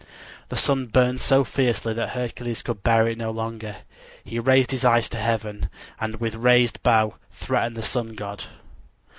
The sun burned so fiercely that Hercules could bear it no longer; he raised his eyes to heaven and with raised bow threatened the sun god.